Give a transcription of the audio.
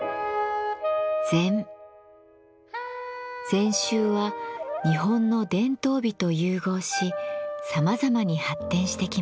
禅宗は日本の伝統美と融合しさまざまに発展してきました。